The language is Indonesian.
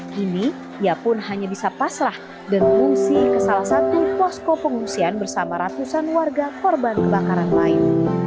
kini ia pun hanya bisa pasrah dan mengungsi ke salah satu posko pengungsian bersama ratusan warga korban kebakaran lain